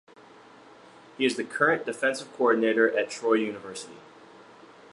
He is the current defensive coordinator at Troy University.